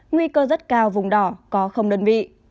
nguy cơ rất cao vùng đỏ có đơn vị